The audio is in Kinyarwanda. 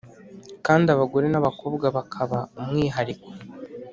kandi abagore n’abakobwa bakaba umwihariko,